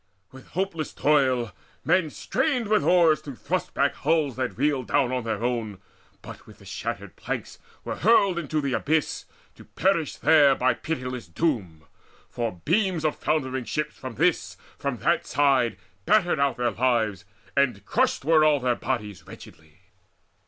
With hopeless toil Men strained with oars to thrust back hulls that reeled Down on their own, but with the shattered planks Were hurled into the abyss, to perish there By pitiless doom; for beams of foundering ships From this, from that side battered out their lives, And crushed were all their bodies wretchedly.